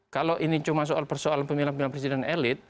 kalau ini cuma soal persoalan pemilihan pemilihan presiden elit